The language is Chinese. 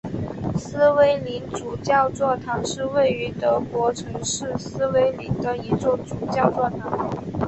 诗威林主教座堂是位于德国城市诗威林的一座主教座堂。